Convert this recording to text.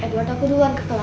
edward aku duluan ke kelas ya